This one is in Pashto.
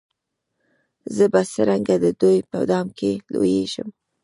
زه به څرنګه د دوی په دام کي لوېږم